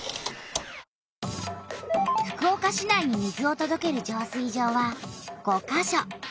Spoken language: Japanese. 福岡市内に水をとどける浄水場は５か所。